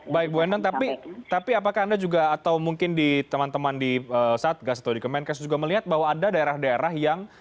baik bu endang tapi apakah anda juga atau mungkin di teman teman di satgas atau di kemenkes juga melihat bahwa ada daerah daerah yang